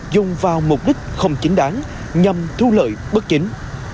dùng vào mục đích không chính đáng nhằm thu lợi bất chính